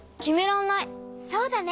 そうだね。